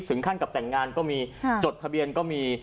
สึงครรภ์กับแต่งงานก็มีจดทะเบียนก็มี